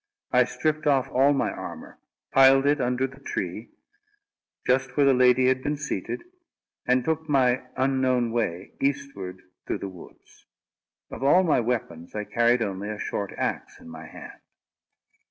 I stripped off all my armour, piled it under the tree, just where the lady had been seated, and took my unknown way, eastward through the woods. Of all my weapons, I carried only a short axe in my hand.